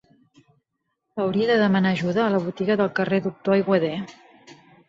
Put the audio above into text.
Hauria de demanar ajuda a la botiga del carrer Doctor Aiguader.